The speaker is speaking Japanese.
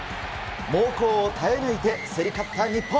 猛攻を耐え抜いて、競り勝った日本。